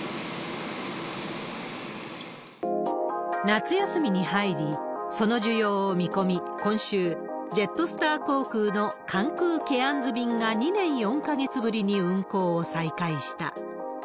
夏休みに入り、その需要を見込み、今週、ジェットスター航空の関空・ケアンズ便が２年４か月ぶりに運航を再開した。